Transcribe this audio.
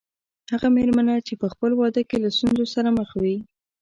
هغه مېرمنه چې په خپل واده کې له ستونزو سره مخ وي.